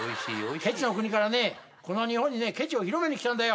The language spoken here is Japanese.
ケチの国からねこの日本にねケチを広めに来たんだよ！